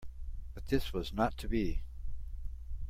But this was not to be.